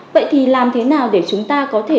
vậy thì làm thế nào để chúng ta có thể